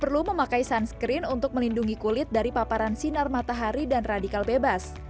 kami menggunakan kain yang berwarna merah untuk melindungi kulit dari paparan sinar matahari dan radikal bebas